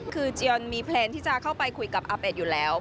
คือเจียนมีแพลนที่จะเข้าไปคุยกับอาเป็ดอยู่แล้ว